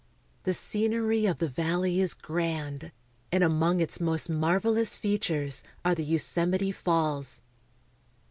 The scenery of the valley is grand, and among its most marvelous fea tures are the Yosemite Falls.